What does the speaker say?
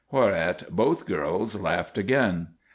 Whereat both girls laughed again.